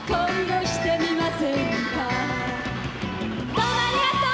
どうもありがとう。